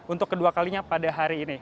untuk kedua kalinya pada hari ini